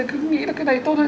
cứ nghĩ là cái này tốt hơn